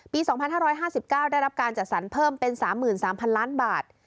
ปี๒๕๕๙ได้รับการจัดสรรเพิ่มเป็น๓๓๐๐ล้านบาท